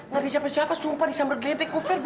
lagi siapa siapa sumpah bisa bergedek fer